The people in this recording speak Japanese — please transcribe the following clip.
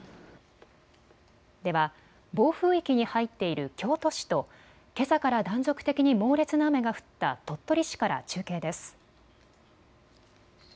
では暴風域に入っている京都市とけさから断続的に猛烈な雨が降った鳥取市から中継です。